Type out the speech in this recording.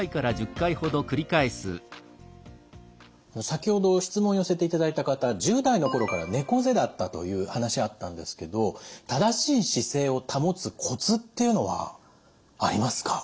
先ほど質問を寄せていただいた方１０代の頃から猫背だったという話あったんですけど正しい姿勢を保つコツっていうのはありますか？